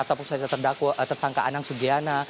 atau tersangka anang sugiana